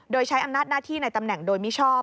โดยใช้อำนาจหน้าที่ในตำแหน่งโดยมิชอบ